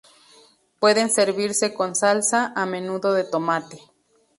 Pueden servirse con salsa, a menudo de tomate.